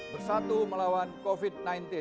bersatu melawan covid sembilan belas